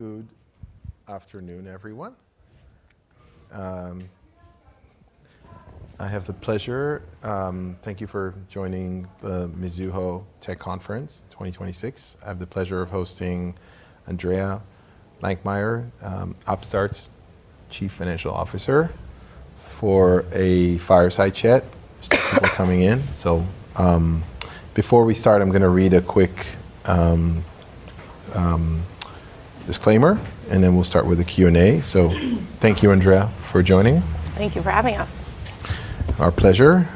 Good afternoon, everyone. Thank you for joining the Mizuho Technology Conference 2026. I have the pleasure of hosting Andrea Blankmeyer, Upstart's Chief Financial Officer, for a fireside chat. There's people coming in. Before we start, I'm going to read a quick disclaimer, and then we'll start with the Q&A. Thank you, Andrea, for joining. Thank you for having us. Our pleasure.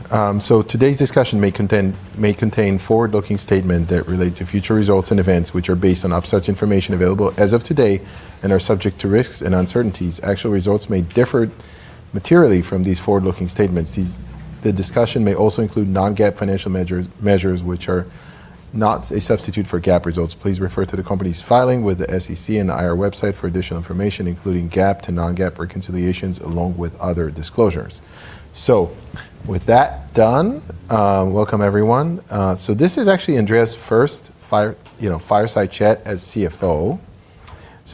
Today's discussion may contain forward-looking statement that relate to future results and events, which are based on Upstart's information available as of today and are subject to risks and uncertainties. Actual results may differ materially from these forward-looking statements. The discussion may also include non-GAAP financial measures, which are not a substitute for GAAP results. Please refer to the company's filing with the SEC and the IR website for additional information, including GAAP to non-GAAP reconciliations along with other disclosures. With that done, welcome everyone. This is actually Andrea's first fireside chat as CFO.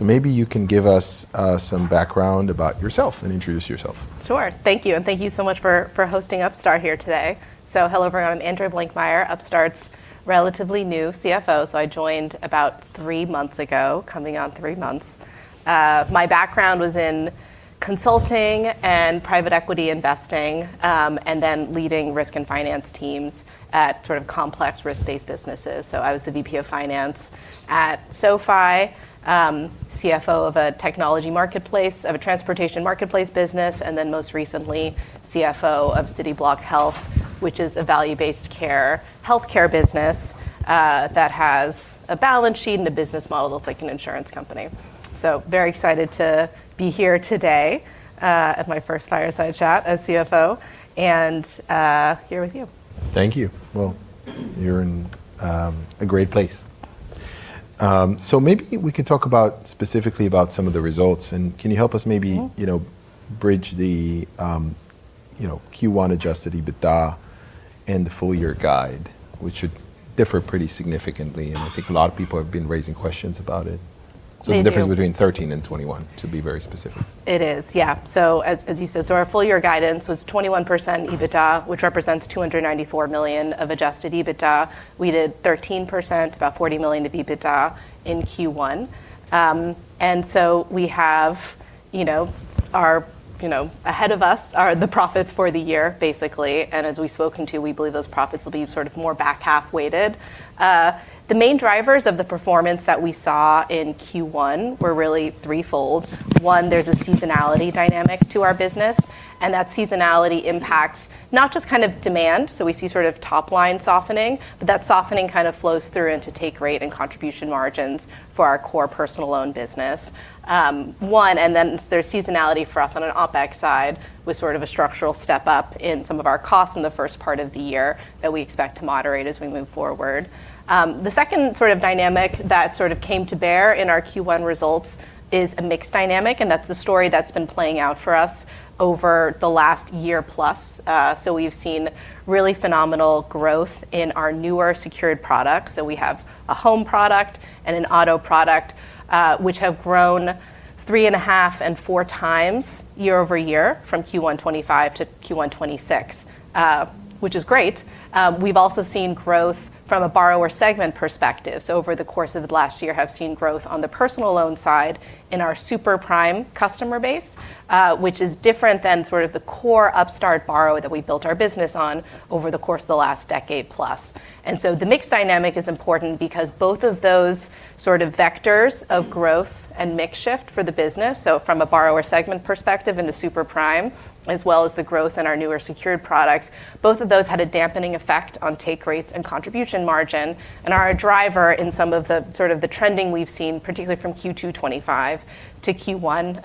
Maybe you can give us some background about yourself and introduce yourself. Sure. Thank you, and thank you so much for hosting Upstart here today. Hello, everyone. I'm Andrea Blankmeyer, Upstart's relatively new CFO. I joined about three months ago, coming on three months. My background was in consulting and private equity investing, and then leading risk and finance teams at sort of complex risk-based businesses. I was the VP of finance at SoFi, CFO of a technology marketplace, of a transportation marketplace business, and then most recently CFO of Cityblock Health, which is a value-based care healthcare business, that has a balance sheet and a business model that's like an insurance company. Very excited to be here today, at my first fireside chat as CFO and here with you. Thank you. Well, you're in a great place. Maybe we can talk specifically about some of the results and can you help us. bridge the Q1 adjusted EBITDA and the full year guide, which would differ pretty significantly, and I think a lot of people have been raising questions about it. Thank you. The difference between 13 and 21, to be very specific. It is, yeah. As you said, our full year guidance was 21% EBITDA, which represents $294 million of adjusted EBITDA. We did 13%, about $40 million of EBITDA in Q1. We have ahead of us are the profits for the year, basically. As we've spoken to, we believe those profits will be sort of more back half weighted. The main drivers of the performance that we saw in Q1 were really threefold. One, there's a seasonality dynamic to our business. That seasonality impacts not just demand, so we see sort of top line softening, but that softening kind of flows through into take rate and contribution margins for our core personal loan business. One, there's seasonality for us on an OPEX side with sort of a structural step up in some of our costs in the first part of the year that we expect to moderate as we move forward. The second sort of dynamic that sort of came to bear in our Q1 results is a mix dynamic, and that's the story that's been playing out for us over the last year plus. We've seen really phenomenal growth in our newer secured products. We have a home product and an auto product, which have grown three and a half and four times year-over-year from Q1 2025-Q1 2026, which is great. We've also seen growth from a borrower segment perspective. Over the course of the last year have seen growth on the personal loan side in our super prime customer base, which is different than sort of the core Upstart borrower that we built our business on over the course of the last decade plus. The mix dynamic is important because both of those sort of vectors of growth and mix shift for the business, from a borrower segment perspective into super prime, as well as the growth in our newer secured products, both of those had a dampening effect on take rates and contribution margin and are a driver in some of the sort of the trending we've seen, particularly from Q2 2025-Q1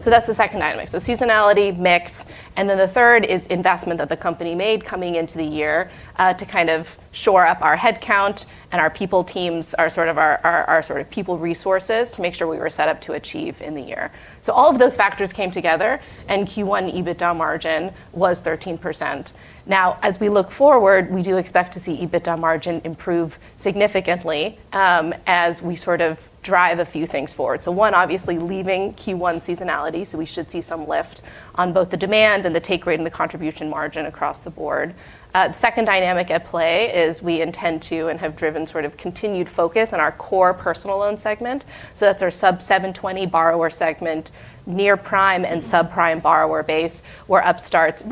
2026. That's the second dynamic. Seasonality, mix, the third is investment that the company made coming into the year, to kind of shore up our headcount and our people teams, our sort of people resources to make sure we were set up to achieve in the year. All of those factors came together and Q1 EBITDA margin was 13%. Now as we look forward, we do expect to see EBITDA margin improve significantly, as we sort of drive a few things forward. One, obviously leaving Q1 seasonality, we should see some lift on both the demand and the take rate and the contribution margin across the board. Second dynamic at play is we intend to and have driven sort of continued focus on our core personal loan segment. That's our sub 720 borrower segment, near prime and subprime borrower base, where Upstart's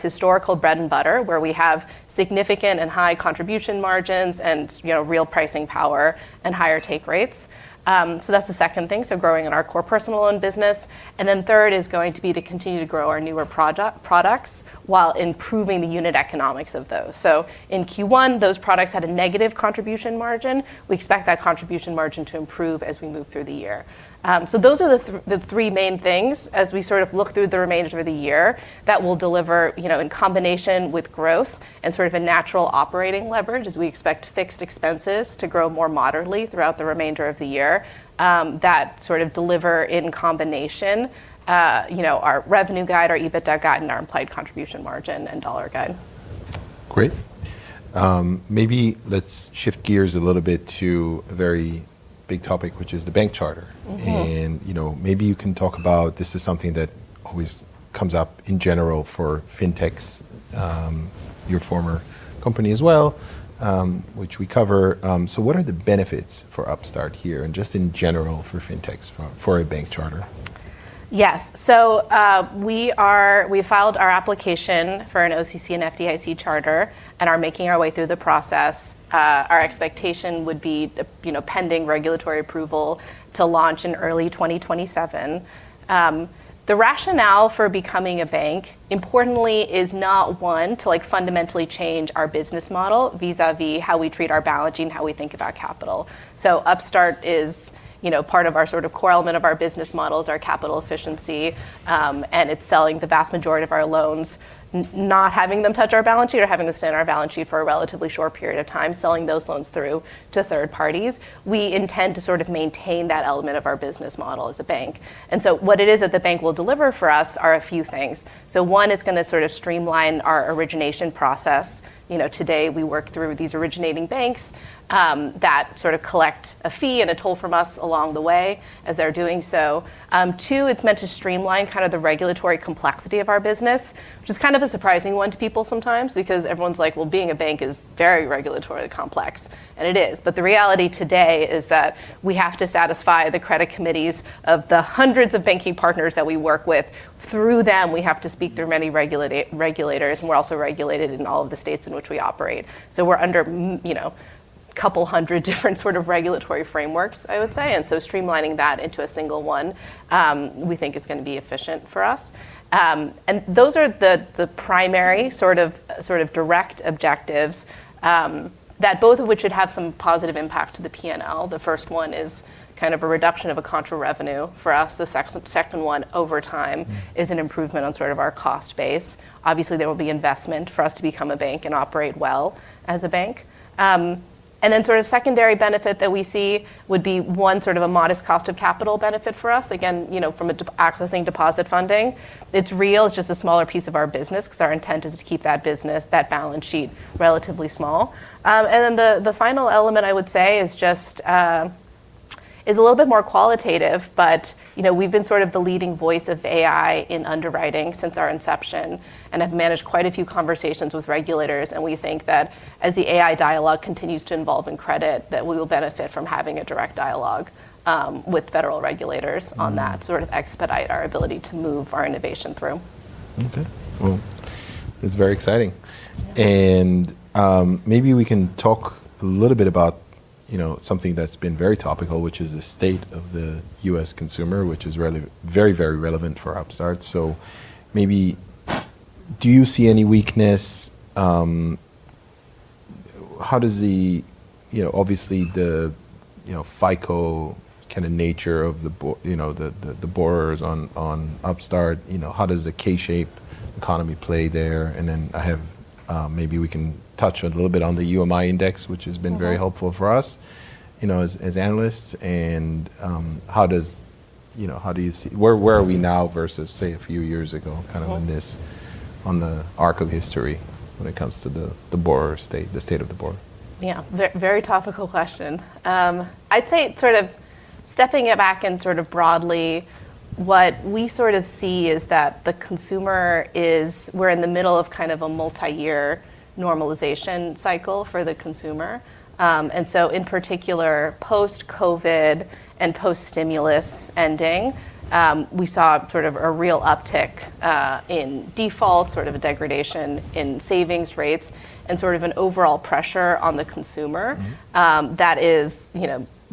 historical bread and butter, where we have significant and high contribution margins and real pricing power and higher take rates. That's the second thing, growing in our core personal loan business. Third is going to be to continue to grow our newer products while improving the unit economics of those. In Q1, those products had a negative contribution margin. We expect that contribution margin to improve as we move through the year. Those are the three main things as we sort of look through the remainder of the year that will deliver, in combination with growth and sort of a natural operating leverage as we expect fixed expenses to grow more moderately throughout the remainder of the year, that sort of deliver in combination, our revenue guide, our EBITDA guide, and our implied contribution margin and dollar guide. Great. Maybe let's shift gears a little bit to a very big topic, which is the bank charter. Maybe you can talk about, this is something that always comes up in general for Fintechs, your former company as well, which we cover. What are the benefits for Upstart here and just in general for Fintechs for a bank charter? Yes. We filed our application for an OCC and FDIC charter and are making our way through the process. Our expectation would be, pending regulatory approval, to launch in early 2027. The rationale for becoming a bank, importantly, is not one to fundamentally change our business model vis-a-vis how we treat our balance sheet and how we think about capital. Upstart is part of our sort of core element of our business model is our capital efficiency, and it's selling the vast majority of our loans, not having them touch our balance sheet or having to stay on our balance sheet for a relatively short period of time, selling those loans through to third parties. We intend to sort of maintain that element of our business model as a bank. What it is that the bank will deliver for us are a few things. One is going to sort of streamline our origination process. Today we work through these originating banks, that sort of collect a fee and a toll from us along the way as they're doing so. Two, it's meant to streamline kind of the regulatory complexity of our business, which is kind of a surprising one to people sometimes because everyone's like, "Well, being a bank is very regulatory complex." It is. The reality today is that we have to satisfy the credit committees of the hundreds of banking partners that we work with. Through them, we have to speak through many regulators, and we're also regulated in all of the states in which we operate. We're under a couple hundred different sort of regulatory frameworks, I would say. Streamlining that into a single one, we think is going to be efficient for us. Those are the primary sort of direct objectives, that both of which should have some positive impact to the P&L. The first one is kind of a reduction of a contra revenue for us. The second one over time is an improvement on sort of our cost base. Obviously, there will be investment for us to become a bank and operate well as a bank. A sort of secondary benefit that we see would be one sort of a modest cost of capital benefit for us. Again, from accessing deposit funding. It's real, it's just a smaller piece of our business because our intent is to keep that business, that balance sheet relatively small. The final element I would say is a little bit more qualitative, but we've been sort of the leading voice of AI in underwriting since our inception and have managed quite a few conversations with regulators, and we think that as the AI dialogue continues to evolve in credit, that we will benefit from having a direct dialogue with federal regulators on that, sort of expedite our ability to move our innovation through. Okay. Well, it's very exciting. And maybe we can talk a little bit about something that's been very topical, which is the state of the U.S. consumer, which is very relevant for Upstart. Maybe do you see any weakness? Obviously the FICO kind of nature of the borrowers on Upstart, how does the K-shaped economy play there? Then maybe we can touch a little bit on the UMI index, which has been. Very helpful for us as analysts. Where are we now versus, say, a few years ago. On the arc of history when it comes to the state of the borrower? Yeah. Very topical question. I'd say sort of stepping it back and sort of broadly, what we sort of see is that the consumer is, we're in the middle of kind of a multi-year normalization cycle for the consumer. In particular, post-COVID and post-stimulus ending, we saw sort of a real uptick, in default, sort of a degradation in savings rates, and sort of an overall pressure on the consumer- that is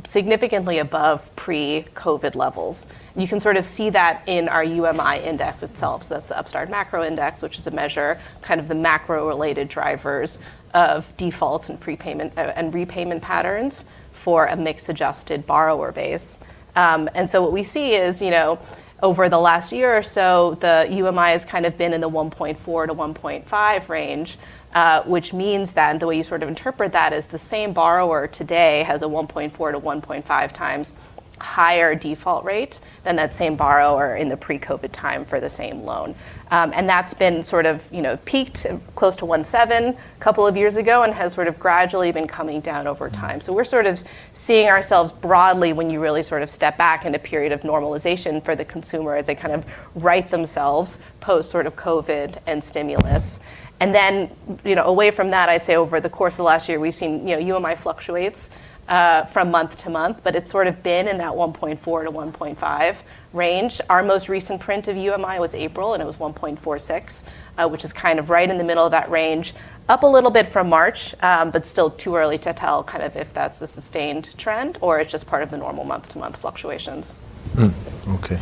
significantly above pre-COVID levels. You can sort of see that in our UMI index itself. That's the Upstart Macro Index, which is a measure of the macro-related drivers of default and prepayment, and repayment patterns for a mixed adjusted borrower base. What we see is, over the last year or so, the UMI has kind of been in the 1.4-1.5 range, which means the way you sort of interpret that is the same borrower today has a 1.4x-1.5x higher default rate than that same borrower in the pre-COVID time for the same loan. That's been sort of peaked close to 1.7 a couple of years ago and has sort of gradually been coming down over time. We're sort of seeing ourselves broadly when you really sort of step back in a period of normalization for the consumer as they kind of right themselves post-COVID and stimulus. Away from that, I'd say over the course of last year, we've seen UMI fluctuates from month to month, but it's sort of been in that 1.4-1.5 range. Our most recent print of UMI was April, and it was 1.46, which is kind of right in the middle of that range. Up a little bit from March, but still too early to tell kind of if that's a sustained trend or it's just part of the normal month-to-month fluctuations. Okay.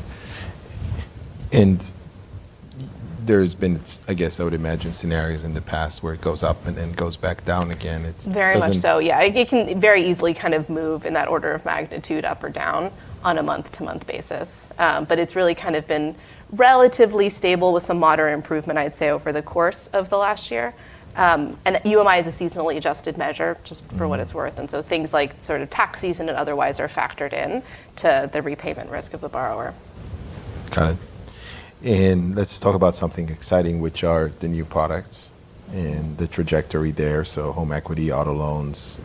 There's been, I guess I would imagine, scenarios in the past where it goes up and then goes back down again. It doesn't- Very much so, yeah. It can very easily kind of move in that order of magnitude up or down on a month-to-month basis. It's really kind of been relatively stable with some moderate improvement, I'd say, over the course of the last year. UMI is a seasonally adjusted measure, just for what it's worth. Things like sort of tax season and otherwise are factored in to the repayment risk of the borrower. Got it. Let's talk about something exciting, which are the new products and the trajectory there. Home equity, auto loans,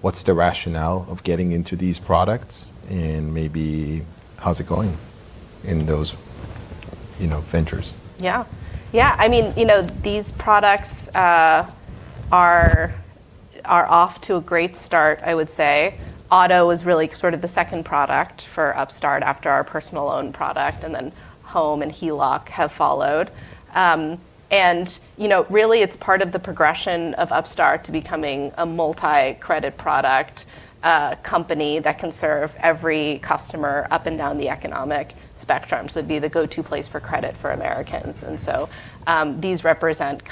what's the rationale of getting into these products and maybe how's it going in those ventures? Yeah. These products are off to a great start, I would say. Auto was really sort of the second product for Upstart after our personal loan product, and then Home and HELOC have followed. Really it's part of the progression of Upstart to becoming a multi-credit product company that can serve every customer up and down the economic spectrum. It'd be the go-to place for credit for Americans. These represent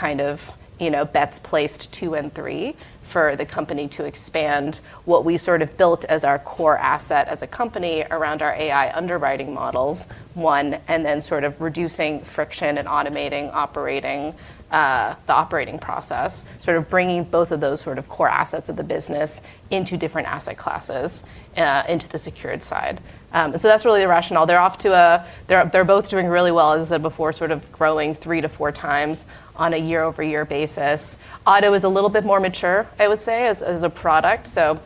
bets placed two and three for the company to expand what we built as our core asset as a company around our AI underwriting models, one, and then reducing friction and automating the operating process, bringing both of those core assets of the business into different asset classes, into the secured side. That's really the rationale. They're both doing really well, as I said before, growing three to four times on a year-over-year basis. Auto is a little bit more mature, I would say, as a product. I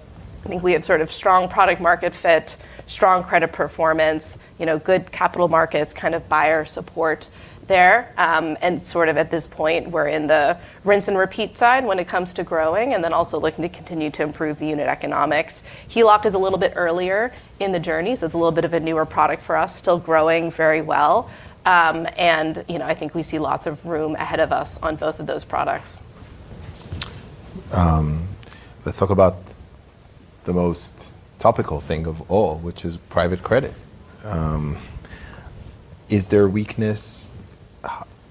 think we have strong product market fit, strong credit performance, good capital markets, buyer support there. At this point, we're in the rinse and repeat side when it comes to growing, and then also looking to continue to improve the unit economics. HELOC is a little bit earlier in the journey, so it's a little bit of a newer product for us, still growing very well. I think we see lots of room ahead of us on both of those products. Let's talk about the most topical thing of all, which is private credit. Is there a weakness?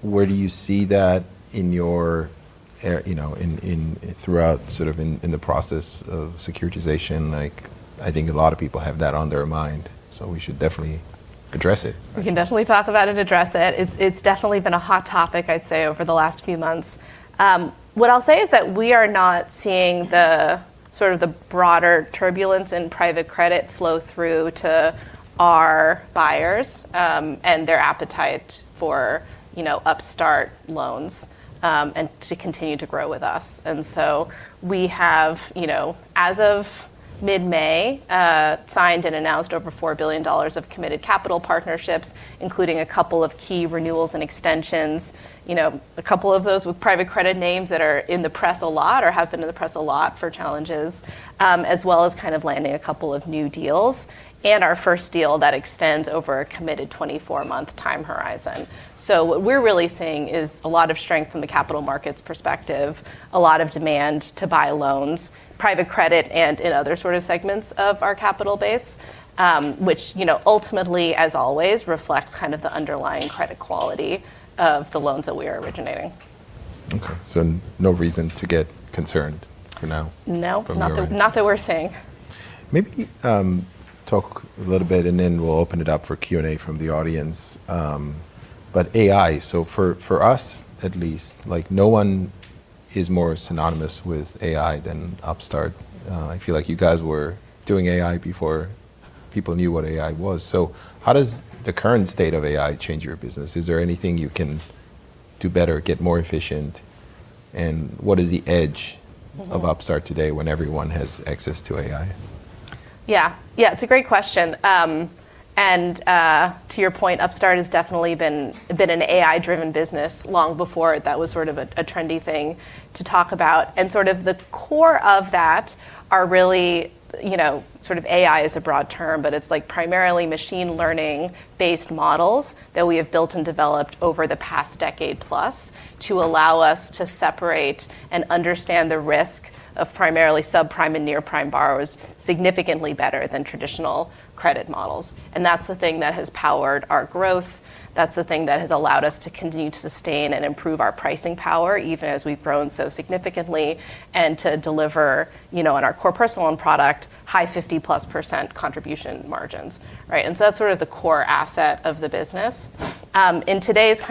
Where do you see that throughout in the process of securitization? I think a lot of people have that on their mind. We should definitely address it. We can definitely talk about it, address it. It's definitely been a hot topic, I'd say, over the last few months. What I'll say is that we are not seeing the broader turbulence in private credit flow through to our buyers, and their appetite for Upstart loans, and to continue to grow with us. We have, as of mid-May, signed and announced over $4 billion of committed capital partnerships, including a couple of key renewals and extensions. A couple of those with private credit names that are in the press a lot or have been in the press a lot for challenges, as well as landing a couple of new deals. Our first deal that extends over a committed 24-month time horizon. What we're really seeing is a lot of strength from the capital markets perspective, a lot of demand to buy loans, private credit, and in other segments of our capital base, which ultimately, as always, reflects the underlying credit quality of the loans that we are originating. Okay. No reason to get concerned for now. No from your end. Not that we're seeing. Maybe talk a little bit and then we'll open it up for Q&A from the audience. AI, for us at least, no one is more synonymous with AI than Upstart. I feel like you guys were doing AI before people knew what AI was. How does the current state of AI change your business? Is there anything you can do better, get more efficient? What is the edge of Upstart today when everyone has access to AI? Yeah. It's a great question. To your point, Upstart has definitely been an AI-driven business long before that was a trendy thing to talk about. The core of that are really, AI is a broad term, but it's primarily machine learning-based models that we have built and developed over the past decade plus to allow us to separate and understand the risk of primarily subprime and near-prime borrowers significantly better than traditional credit models. That's the thing that has powered our growth. That's the thing that has allowed us to continue to sustain and improve our pricing power, even as we've grown so significantly, and to deliver on our core personal loan product, high +50% contribution margins. Right? That's the core asset of the business. In today's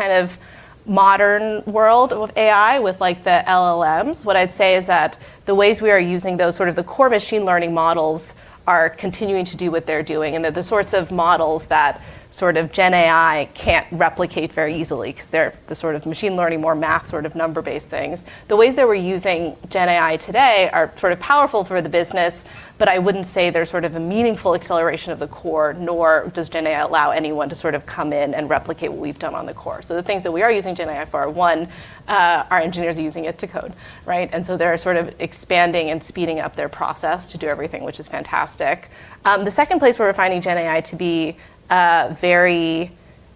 modern world with AI, with the LLMs, what I'd say is that the ways we are using those, the core machine learning models are continuing to do what they're doing, and they're the sorts of models that Gen AI can't replicate very easily because they're the machine learning, more math number-based things. The ways that we're using Gen AI today are powerful for the business, but I wouldn't say they're a meaningful acceleration of the core, nor does Gen AI allow anyone to come in and replicate what we've done on the core. The things that we are using Gen AI for, one, our engineers are using it to code. Right? They're expanding and speeding up their process to do everything, which is fantastic. The second place where we're finding Gen AI to be very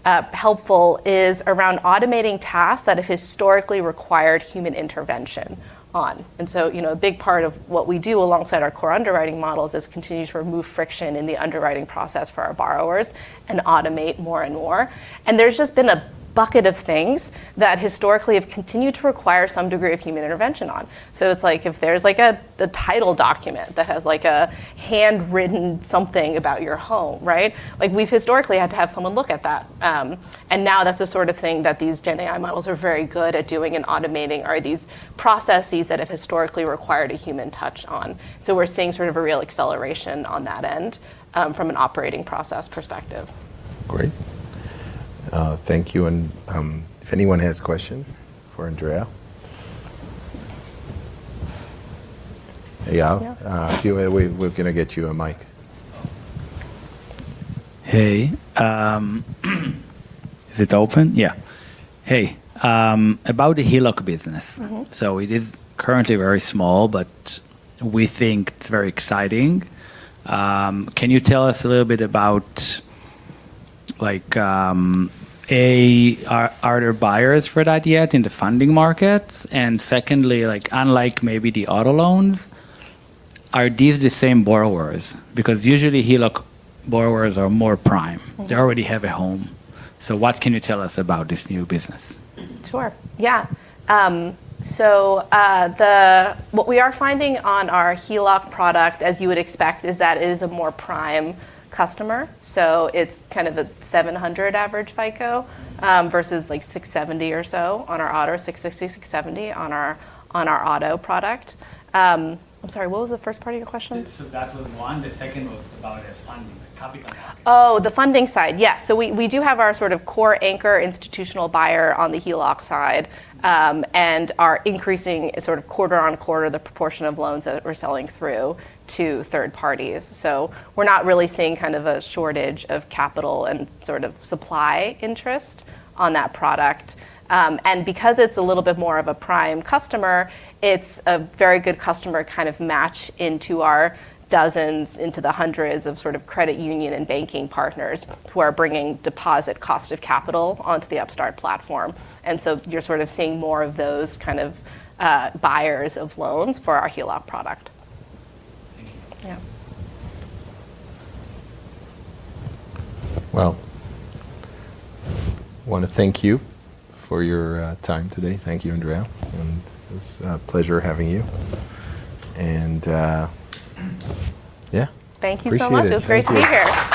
helpful is around automating tasks that have historically required human intervention on. A big part of what we do alongside our core underwriting models is continue to remove friction in the underwriting process for our borrowers and automate more and more. There's just been a bucket of things that historically have continued to require some degree of human intervention on. It's like if there's a title document that has a handwritten something about your home, right? We've historically had to have someone look at that. Now that's the sort of thing that these Gen AI models are very good at doing and automating are these processes that have historically required a human touch on. We're seeing a real acceleration on that end, from an operating process perspective. Great. Thank you. If anyone has questions for Andrea? Yeah. We're going to get you a mic. Hey. Is it open? Yeah. Hey. About the HELOC business. It is currently very small, but we think it's very exciting. Can you tell us a little bit about, are there buyers for that yet in the funding markets? Secondly, unlike maybe the auto loans, are these the same borrowers? Usually HELOC borrowers are more prime. They already have a home. What can you tell us about this new business? Sure. Yeah. What we are finding on our HELOC product, as you would expect, is that it is a more prime customer. It's the 700 average FICO, versus 670 or so on our auto, 660, 670 on our auto product. I'm sorry, what was the first part of your question? That was one. The second was about the funding, the topic on funding. The funding side. Yes. We do have our sort of core anchor institutional buyer on the HELOC side, and are increasing sort of quarter-on-quarter the proportion of loans that we're selling through to third parties. We're not really seeing a shortage of capital and supply interest on that product. Because it's a little bit more of a prime customer, it's a very good customer match into our dozens, into the hundreds of credit union and banking partners who are bringing deposit cost of capital onto the Upstart platform. You're sort of seeing more of those buyers of loans for our HELOC product. Thank you. Yeah. Well, I want to thank you for your time today. Thank you, Andrea, and it was a pleasure having you. Thank you so much. Appreciate it. Thank you. It was great to be here.